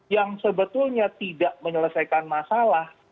yang sebetulnya tidak menyelesaikan masalah